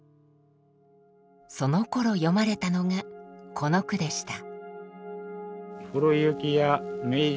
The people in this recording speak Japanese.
そのころ詠まれたのがこの句でした。